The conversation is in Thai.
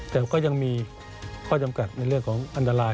แต่ก็ยังมีข้อจำกัดในเรื่องของอันตราย